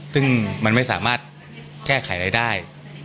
ซึ่งมันไม่สามารถแก้ไขอะไรได้